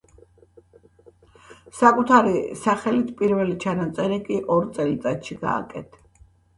საკუთარი სახელით პირველი ჩანაწერი კი ორ წელიწადში გააკეთა.